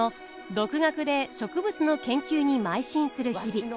独学で植物の研究にまい進する日々。